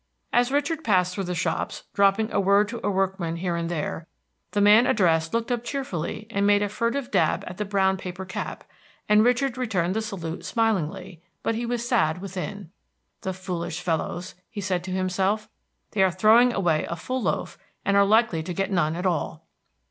As Richard passed through the shops, dropping a word to a workman here and there, the man addressed looked up cheerfully and made a furtive dab at the brown paper cap, and Richard returned the salute smilingly; but he was sad within. "The foolish fellows," he said to himself, "they are throwing away a full loaf and are likely to get none at all."